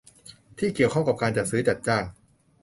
ที่เกี่ยวข้องกับการจัดซื้อจัดจ้าง